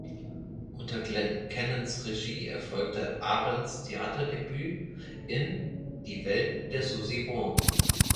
Unter Glenn Cannons Regie erfolgte Arends Theaterdebüt in „Die Welt der Suzie Wong“.